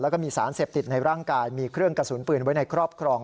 แล้วก็มีสารเสพติดในร่างกายมีเครื่องกระสุนปืนไว้ในครอบครอง